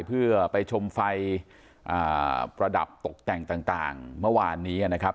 เพื่อไปชมไฟประดับตกแต่งต่างเมื่อวานนี้นะครับ